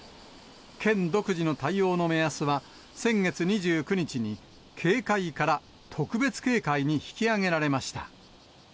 県独自の対応の目安は、先月２９日に、警戒から特別警戒に引き上げられました。